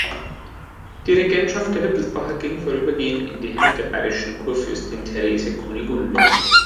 Die Regentschaft der Wittelsbacher ging vorübergehend in die Hände der bayerischen Kurfürstin Therese Kunigunde.